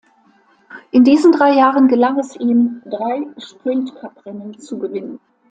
In diesen drei Jahren gelang es ihm drei Sprint-Cup-Rennen zu gewinnen.